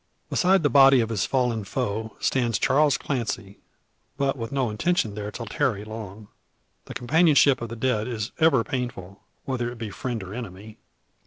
Beside the body of his fallen foe stands Charles Clancy, but with no intention there to tarry long. The companionship of the dead is ever painful, whether it be friend or enemy.